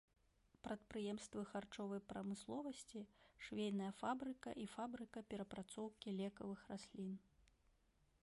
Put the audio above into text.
Прадпрыемствы харчовай прамысловасці, швейная фабрыка і фабрыка перапрацоўкі лекавых раслін.